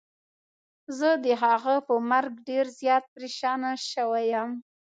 زه د هغه په مرګ ډير زيات پريشانه سوی يم.